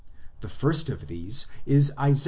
The first of these is Isa.